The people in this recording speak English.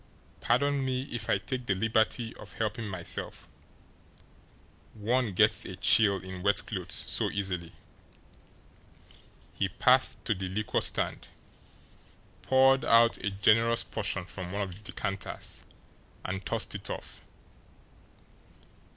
Pardon me if I take the liberty of helping myself; one gets a chill in wet clothes so easily" he passed to the liqueur stand, poured out a generous portion from one of the decanters, and tossed it off.